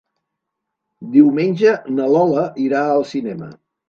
Diumenge na Lola irà al cinema.